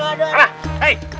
aduh aduh aduh